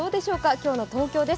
今日の東京です。